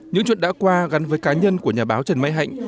những chuyện đã qua gắn với cá nhân của nhà báo trần mai hạnh